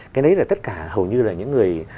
cái đấy là tất cả hầu như là những người